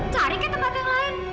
cari ke tempat yang lain